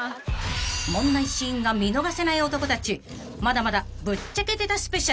［問題シーンが見逃せない男たちまだまだぶっちゃけてたスペシャル］